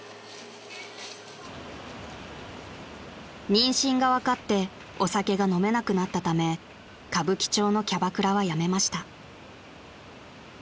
［妊娠が分かってお酒が飲めなくなったため歌舞伎町のキャバクラは辞めました］